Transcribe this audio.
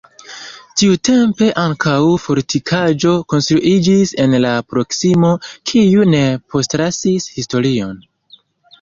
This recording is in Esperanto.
Tiutempe ankaŭ fortikaĵo konstruiĝis en la proksimo, kiu ne postlasis historion.